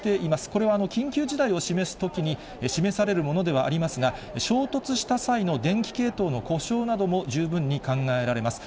これは緊急事態を示すときに示されるものではありますが、衝突した際の電気系統の故障なども十分に考えられます。